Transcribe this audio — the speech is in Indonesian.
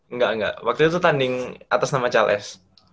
enggak enggak waktu itu tanding atas nama cls